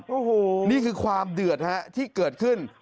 อันนี้คือความเดือดที่เกิดขึ้น